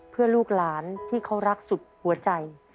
เพื่อลูกหลานที่เขารักสุดหัวใจ